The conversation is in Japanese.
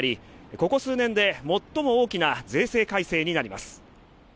ここ数年で最も大きな税制改正になります。